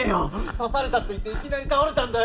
刺されたって言っていきなり倒れたんだよ。